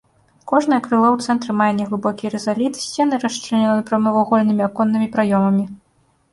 Кожнае крыло ў цэнтры мае неглыбокі рызаліт, сцены расчлянёны прамавугольнымі аконнымі праёмамі.